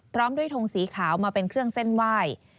พร้อมด้วยทงสีขาวมาเป็นเครื่องเส้นไหว้